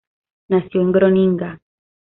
Nació en Groninga.